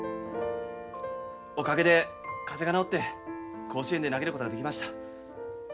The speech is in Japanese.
おかげで風邪が治って甲子園で投げることができました。